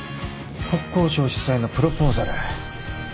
国交省主催のプロポーザル。